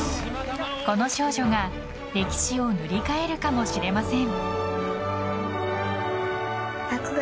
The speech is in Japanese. この少女が歴史を塗り替えるかもしれません。